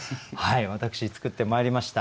私作ってまいりました。